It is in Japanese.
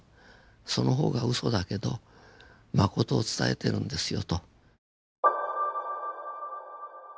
その方がウソだけどマコトを伝えてるんですよと。